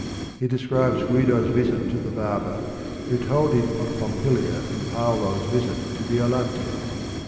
He de scribes Guido's visit to the barber who told him of Pompilia and Paolo's visit to Violante.